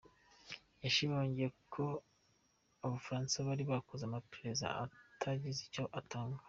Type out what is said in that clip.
Yashimangiye ko Abafransa bari bakoze amaperereza ataragize icyo atanga.